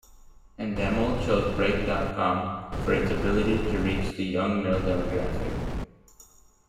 Endemol chose Break dot com for its ability to reach the young-male demographic.